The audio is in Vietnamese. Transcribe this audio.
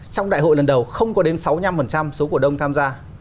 trong đại hội lần đầu không có đến sáu mươi năm số cổ đông tham gia